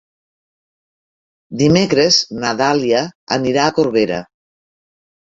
Dimecres na Dàlia anirà a Corbera.